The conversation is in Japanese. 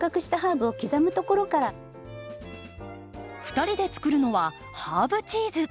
２人で作るのはハーブチーズ。